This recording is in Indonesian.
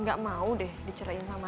gak mau deh dicerahin sama